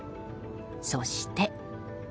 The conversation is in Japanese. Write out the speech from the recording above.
そして。